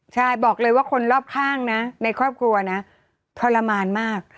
ใช่บอกเลยว่าคนรอบข้างนะในครอบครัวนะทรมานมาก